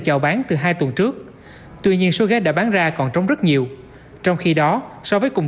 chào bán từ hai tuần trước tuy nhiên số ghế đã bán ra còn trống rất nhiều trong khi đó so với cùng